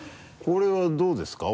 これはどうですか？